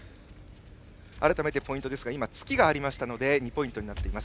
改めてポイントですが今、突きがありましたので２ポイントになっています。